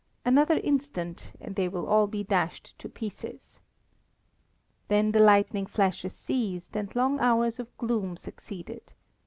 Another instant and they will all be dashed to pieces. Then the lightning flashes ceased, and long hours of gloom succeeded.